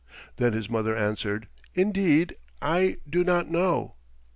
Then his mother answered, "Indeed, I do not know."